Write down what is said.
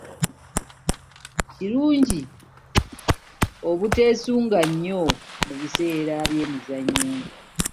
Kirungi obuteesunga nnyo mu biseera by'emizannyo.